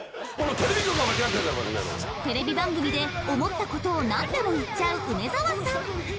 テレビ番組で思ったことを何でも言っちゃう梅沢さん。